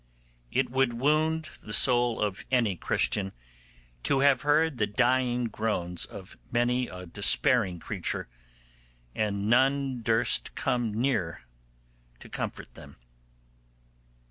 It would wound the soul of any Christian to have heard the dying groans of many a despairing creature, and none durst come near to comfort them.